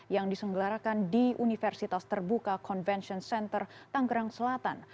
yang disenggelarakan di universitas terbuka convention center tanggerang selatan